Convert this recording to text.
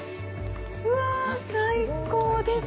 うわあ、最高です。